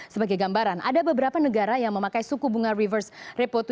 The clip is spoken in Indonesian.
sebagai gambaran ada beberapa negara yang memakai suku bunga reverse repo tujuh